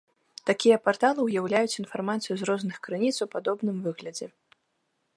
Такія парталы ўяўляюць інфармацыю з розных крыніц у падобным выглядзе.